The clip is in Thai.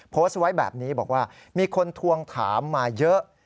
โพสต์ไว้แบบนี้บอกว่ามีคนทวงถามมาเยอะ